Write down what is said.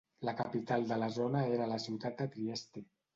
La capital de la zona era la ciutat de Trieste.